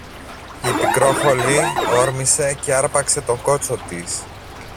Η Πικρόχολη όρμησε και άρπαξε τον κότσο της.